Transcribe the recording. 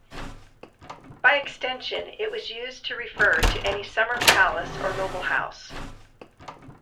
By extension it was used to refer to any summer palace or noble house.